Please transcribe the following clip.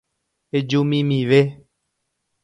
Ejumimive.